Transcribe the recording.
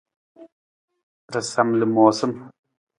Rasam lamoosam.